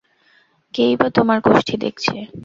কেই বা তোমার কুষ্ঠি দেখছে!